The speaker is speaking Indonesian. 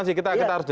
saya tahu itu saja